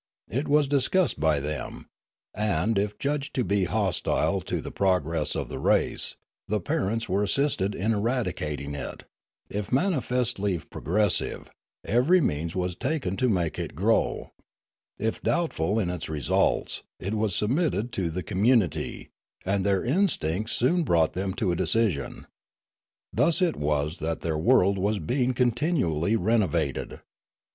It was discussed by them, and, if judged to be hostile to the progress of the race, the pareuts were as sisted in eradicating it; if manifestly progressive, every means was taken to make it grow; if doubtful in its results, it was submitted to the community, and their instincts soon brought them to a decision. Thus it was that their world was being continually renovated.